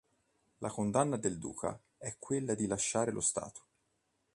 La condanna del Duca è quella di lasciare lo stato.